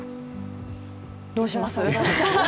どうします？